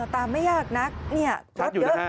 ตามไม่ยากรถเยอะเลยนะครับ